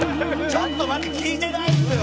ちょっと待って聞いてないですよ！」